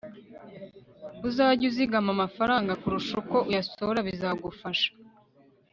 Uzage uzigama amafaranga kurusha uko uyasohora bizagufasha